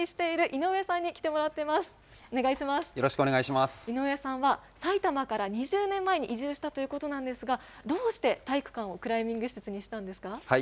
井上さんは、埼玉から２０年前に移住したということなんですが、どうして体育館をクライミング施設にしたんですか？